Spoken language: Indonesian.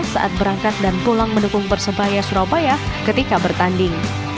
saat berangkat dan pulang mendukung persebaya surabaya ketika bertanding